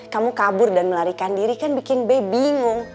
kamu kabur dan melarikan diri kan bikin b bingung